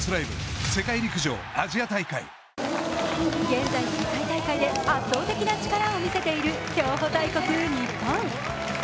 現在世界大会で圧倒的な力を見せている競歩大国・日本。